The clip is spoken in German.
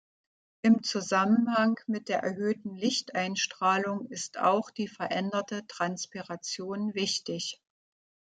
Im Zusammenhang mit der erhöhten Lichteinstrahlung ist auch die veränderte Transpiration wichtig.